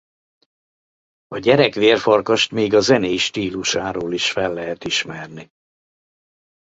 A gyerek vérfarkast még a zenei stílusáról is fel lehet ismerni.